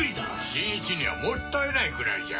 新一にはもったいないくらいじゃ。